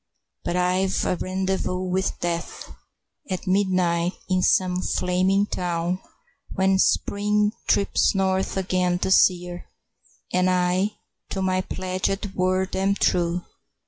But I've a rendezvous with Death At midnight in some flaming town, When Spring trips north again this year, And I to my pledged word am true.